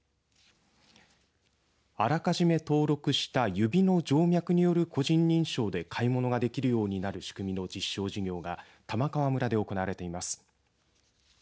あらかじめ登録した指の静脈による個人認証で買い物ができるようになる仕組みの実証事業が玉川村で行われています。